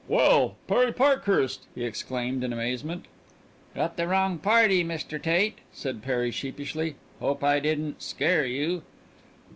"Well, Perry Parkhurst!" he exclaimed in amazement. "Got the wrong party, Mr. Tate," said Perry sheepishly. "Hope I didn't scare you."